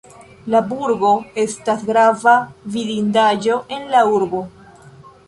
La burgo estas grava vidindaĵo en la urbo.